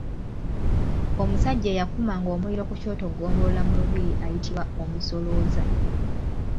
Omusajja eyakumanga omuliro ku kyoto Ggombolola mu lubiri ayitibwa Omusolooza.